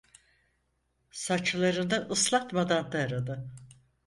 Saçlarını ıslatmadan taradı.